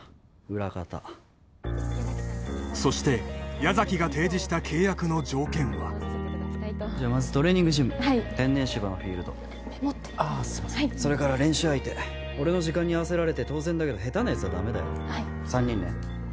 裏方そして矢崎が提示した契約の条件はじゃまずトレーニングジムはい天然芝のフィールドメモってはいそれから練習相手俺の時間に合わせられて当然だけど下手なやつはダメだよはい３人ね